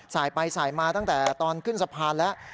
สายไปสายมาตั้งแต่ตอนขึ้นสะพานแล้ว